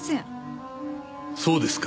そうですか。